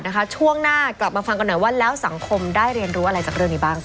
ช่วงหน้ากลับมาฟังกันหน่อยว่าแล้วสังคมได้เรียนรู้อะไรจากเรื่องนี้บ้าง